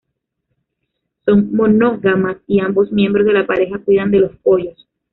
Son monógamas y ambos miembros de la pareja cuidan de los pollos.